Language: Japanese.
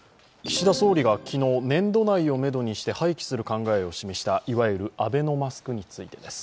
岸田総理が昨日、年度内をめどにして廃棄する考えを示したいわゆるアベノマスクについてです。